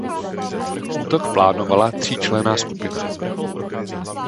Útok plánovala tříčlenná skupina.